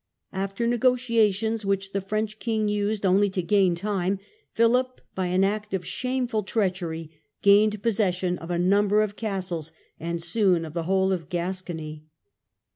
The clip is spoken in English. After negotiations, which the French king used only to gain time, Philip, by an act of shameful treachery, gained possession of a number of castles, and soon of the whole of Gascony.